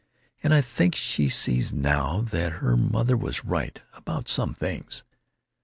And I think she sees now that her mother was right about some things!